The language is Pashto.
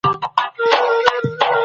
ښځې فعاله کېږي.